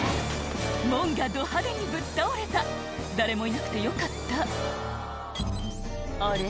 門がど派手にぶっ倒れた誰もいなくてよかったあれ？